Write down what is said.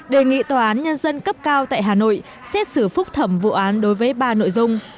đề nghị tòa án nhân dân cấp cao tại hà nội xét xử phúc thẩm vụ án đối với ba nội dung